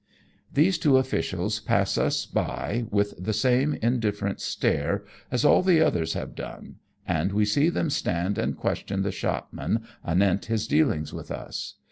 These two officials ,pass us by with the same in different stare as all the others have done, and we see them stand and question the shopman anent his deal ings with us.